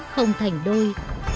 không thành đôi